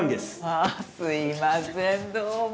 あぁすいませんどうも。